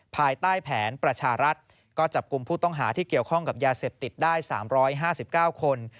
ภายใต้แผนประชารัฐก็จับกลุ่มผู้ต้องหาที่เกี่ยวข้องกับยาเสพติดได้๓๕๙คน